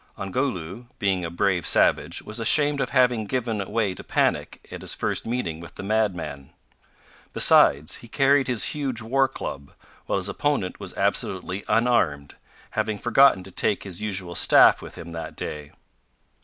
Ongoloo, being a brave savage, was ashamed of having given way to panic at his first meeting with the madman. Besides, he carried his huge war club, while his opponent was absolutely unarmed having forgotten to take his usual staff with him that day.